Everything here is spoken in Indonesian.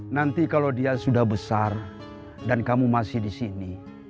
nanti kalau dia sudah besar dan kamu masih disini